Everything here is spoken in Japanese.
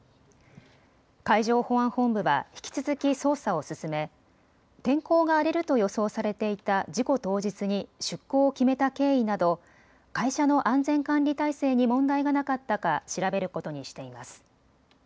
海上保安本部は引き続き捜査を進め天候が荒れると予想されていた事故当日に出航を決めた経緯など会社の安全管理体制に問題がなかったか調べることにしています。